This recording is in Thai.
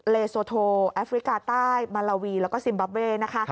เลโซโทแอฟริกาใต้มาลาวีแล้วก็ซิมบาเบอร์